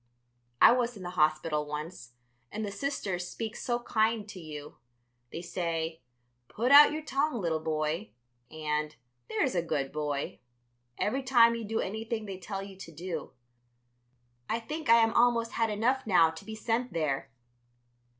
I was in the hospital once, and the Sisters speak so kind to you. They say, 'Put out your tongue, little boy,' and 'There's a good boy,' every time you do anything they tell you to do. I think I am almost had enough now to be sent there."